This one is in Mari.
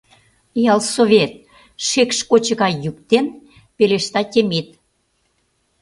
Ялсовет!.. — шекш кочо гай йӱк дене пелешта Темит.